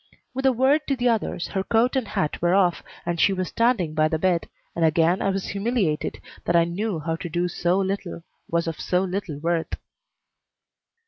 With a word to the others, her coat and hat were off and she was standing by the bed, and again I was humiliated that I knew how to do so little, was of so little worth.